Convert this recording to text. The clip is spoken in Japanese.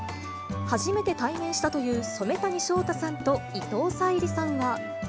初めて対面したという染谷将太さんと伊藤沙莉さんは。